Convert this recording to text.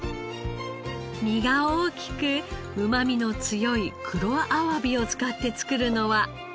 身が大きくうまみの強い黒あわびを使って作るのは。